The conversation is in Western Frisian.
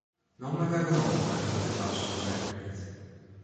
No mar wer werom nei de hurde deistige werklikheid.